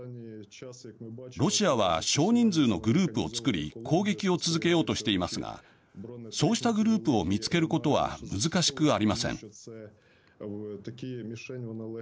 ロシアは少人数のグループを作り攻撃を続けようとしていますがそうしたグループを見つけることは難しくありません。